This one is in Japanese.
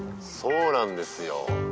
そうなんですよ。